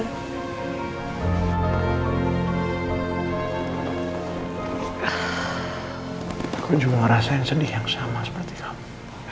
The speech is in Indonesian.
aku juga ngerasain sedih yang sama seperti kamu